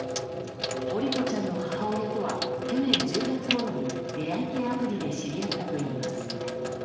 桜利斗ちゃんの母親とは去年１０月ごろに出会い系アプリで知り合ったといいます。